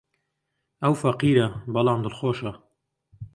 ئەو فەقیرە، بەڵام دڵخۆشە.